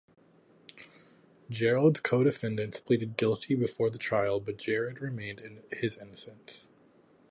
Gerrard's co-defendants pleaded guilty before the trial but Gerrard maintained his innocence.